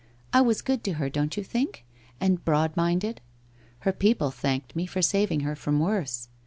I was good to her, don't you think, and broadminded? Her people thanked me for saving her from worse.